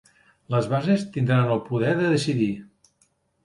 Les bases tindran el poder de decidir